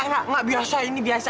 enggak biasa ini biasa